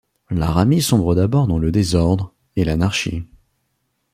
Laramie sombre d'abord dans le désordre et l'anarchie.